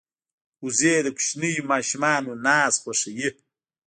وزې د کوچنیو ماشومانو ناز خوښوي